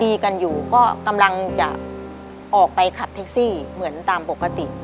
กันอยู่ก็กำลังจะออกไปขับแท็กซี่เหมือนตามปกติ